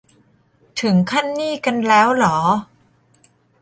ถึงขั้นนี่กันแล้วเหรอ